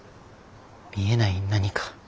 見えない何か。